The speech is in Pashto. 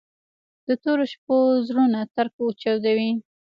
د تورو شپو زړونه ترک وچاودي